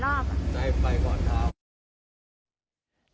ใจมันไปก่อนเท้า